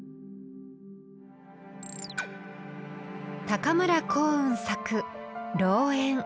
高村光雲作「老猿」。